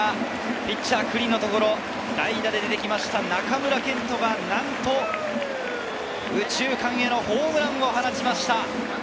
ピッチャー・九里のところ、代打で出てきた中村健人がなんと右中間へのホームランを放ちました。